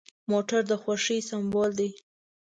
موټر د خوښۍ سمبول دی.